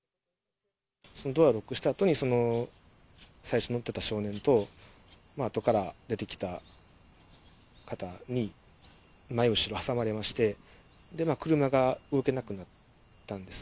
そのドアロックしたあとに、その最初乗ってた少年と、あとから出てきた方に、前、後ろ、挟まれまして、車が動けなくなったんです。